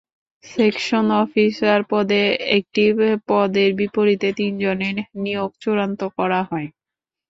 Section officer পদে একটি পদের বিপরীতে তিনজনের নিয়োগ চূড়ান্ত করা হয়।